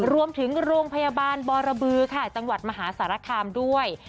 โรงพยาบาลบรบือค่ะจังหวัดมหาสารคามด้วย